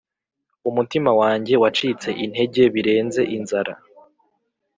umutima wanjye wacitse intege birenze inzara,